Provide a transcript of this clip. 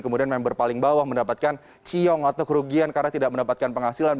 kemudian member paling bawah mendapatkan ciong atau kerugian karena tidak mendapatkan penghasilan